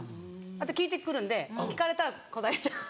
あと聞いてくるんで聞かれたら答えちゃう。